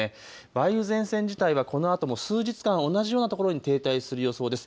梅雨前線自体はこのあとも数日間同じようなところに停滞する予想です。